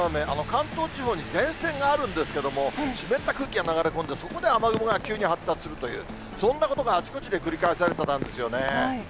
関東地方に前線があるんですけれども、湿った空気が流れ込んで、そこで雨雲が急に発達するという、そんなことがあちこちで繰り返されてたんですよね。